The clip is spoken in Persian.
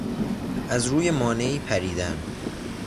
از روی مانعی پریدن